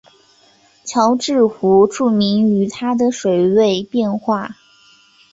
乔治湖著名于它的水位变化。